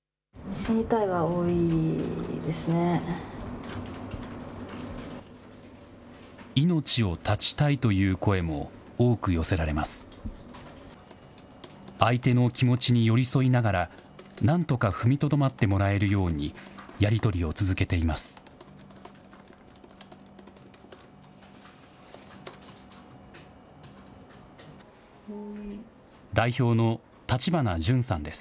相手の気持ちに寄り添いながら、なんとか踏みとどまってもらえるように、やり取りを続けています。